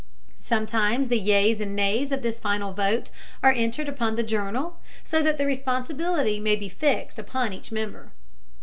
Sometimes the yeas and nays of this final vote are entered upon the journal, so that responsibility may be fixed upon each member.